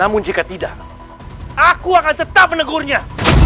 namun jika tidak aku akan tetap menegurnya